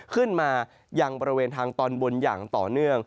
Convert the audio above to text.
ขึ้นมายังบริเวณทางตอนบนอย่างต่อเนื่อง